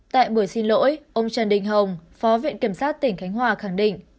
tại buổi xin lỗi ông trần đình hồng phó viện kiểm sát tỉnh khánh hòa khẳng định